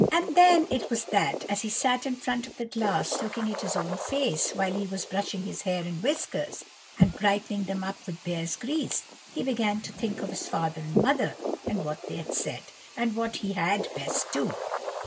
"And then it was that, as he sat in front of the glass, looking at his own face, while he was brushing his hair and whiskers, and brightening them up with bear's grease, he began to think of his father and mother, and what they had said, and what he had best do.